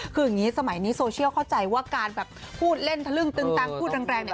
คืออย่างนี้สมัยนี้โซเชียลเข้าใจว่าการแบบพูดเล่นทะลึ่งตึงตังพูดแรงเนี่ย